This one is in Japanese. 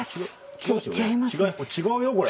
違うよこれ。